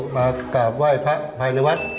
มากราบไหว้พระภายในวัด